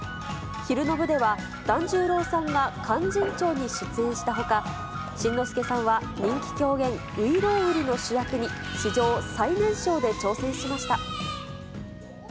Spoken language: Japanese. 昼の部では、團十郎さんが勧進帳に出演したほか、新之助さんは人気狂言、外郎売の主役に、史上最年少で挑戦しました。